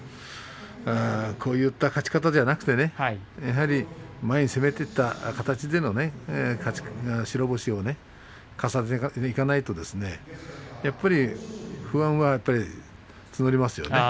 こういった勝ち方ではなくてねやはり前に攻めていった形での白星を重ねていかないとやっぱり不安は募りますよね。